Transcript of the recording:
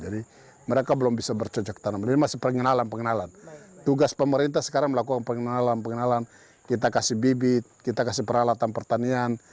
dalam pengenalan kita kasih bibit kita kasih peralatan pertanian